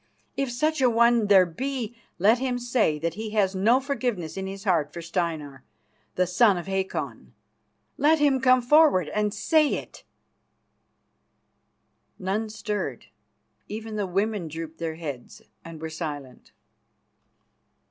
If such a one there be, let him say that he has no forgiveness in his heart for Steinar, the son of Hakon. Let him come forward and say it." None stirred; even the women drooped their heads and were silent.